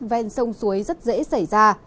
ven sông suối rất dễ xảy ra